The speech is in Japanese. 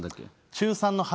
中３の春？